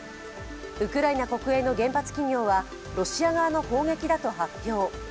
ウクライナ国営の原発企業はロシア側の砲撃だと発表。